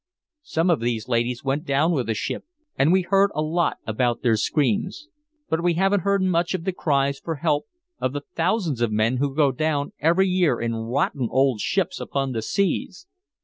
Some of these ladies went down with the ship, and we heard a lot about their screams. But we haven't heard much of the cries for help of the thousands of men who go down every year in rotten old ships upon the seas!